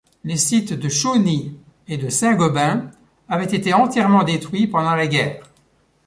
Les sites de Chauny et de Saint-Gobain avaient été entièrement détruits pendant la guerre.